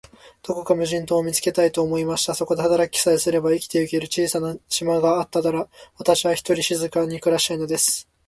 どこか無人島を見つけたい、と思いました。そこで働きさえすれば、生きてゆける小さな島があったら、私は、ひとりで静かに暮したいのです。